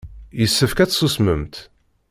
Yessefk ad tsusmemt.